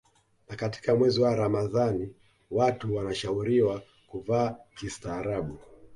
Na katika mwezi wa Ramadhani watu wanashauriwa kuvaa kistaarabu